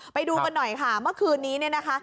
ไปดูกันหน่อยค่ะเมื่อคืนนี้เนี่ยนะคะ